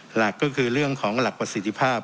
หลักก็คือเรื่องของหลักประสิทธิภาพ